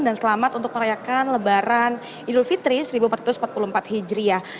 dan selamat untuk merayakan lebaran edul fitri seribu empat ratus empat puluh empat hijriah